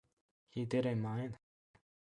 He did in mine